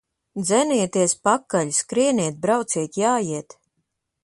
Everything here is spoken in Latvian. Dzenieties pakaļ! Skrieniet, brauciet, jājiet!